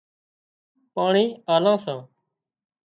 پاڻي لان سان